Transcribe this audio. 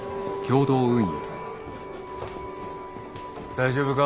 大丈夫か？